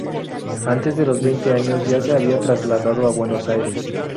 Antes de los veinte años ya se había trasladado a Buenos Aires.